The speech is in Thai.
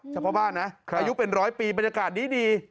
เฉพาะบ้านนะอายุเป็นร้อยปีบรรยากาศดี